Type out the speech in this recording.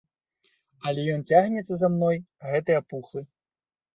Але ён цягнецца за мной, гэты апухлы.